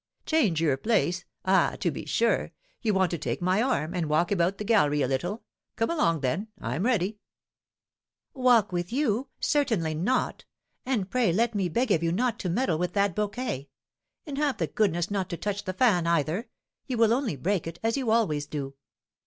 "Change your place! Ah, to be sure! You want to take my arm, and walk about the gallery a little; come along then, I'm ready." "Walk with you! Certainly not! And pray let me beg of you not to meddle with that bouquet and have the goodness not to touch the fan either; you will only break it, as you always do."